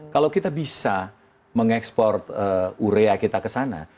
kalau kita bisa mengekspor urea kita ke sana